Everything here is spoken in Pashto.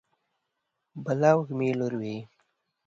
بلا وږمې لوروي